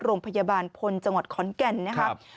โรงพยาบาลพลจังหวัดขอนแก่นนะครับ